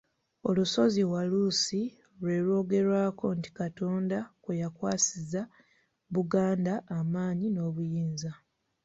Olusozi Walusi lwe lwogerwako nti Katonda kwe yakwasiza Buganda amaanyi n’obuyinza.